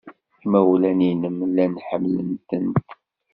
Imawlan-nnem llan ḥemmlen-tent.